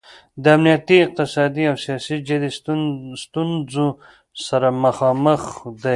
د امنیتي، اقتصادي او سیاسي جدي ستونځو سره مخامخ دی.